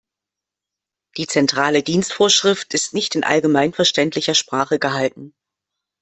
Die Zentrale Dienstvorschrift ist nicht in allgemeinverständlicher Sprache gehalten.